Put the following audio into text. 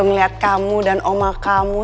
ngeliat kamu dan omel kamu